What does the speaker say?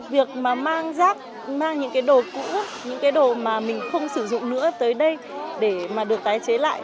việc mà mang rác mang những cái đồ cũ những cái đồ mà mình không sử dụng nữa tới đây để mà được tái chế lại